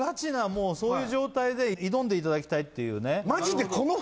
もうそういう状態で挑んでいただきたいっていうね